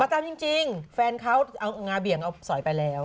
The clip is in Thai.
ตามจริงแฟนเขาเอางาเบี่ยงเอาสอยไปแล้ว